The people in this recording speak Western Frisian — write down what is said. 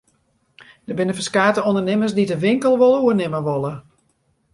Der binne ferskate ûndernimmers dy't de winkel wol oernimme wolle.